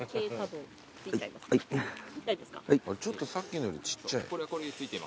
ちょっとさっきのよりちっちゃい？